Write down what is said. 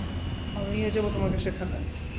আমি নিয়ে যাবো তোমাকে সেখানে।